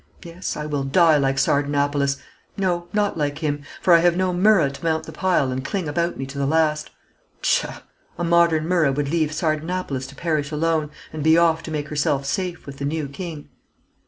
Yes, I will die like Sardanapalus no, not like him, for I have no Myrrha to mount the pile and cling about me to the last. Pshaw! a modern Myrrha would leave Sardanapalus to perish alone, and be off to make herself safe with the new king."